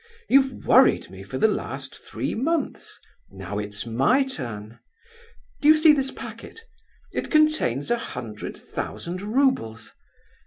You've worried me for the last three months—now it's my turn. Do you see this packet? It contains a hundred thousand roubles.